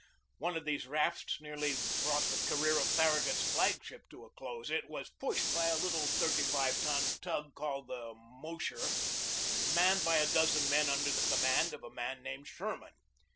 One of these rafts nearly brought the career of Farragut's flag ship to a close. It was pushed by a little thirty five ton tug called the Mosher, manned by a dozen men under the com mand of a man named Sherman.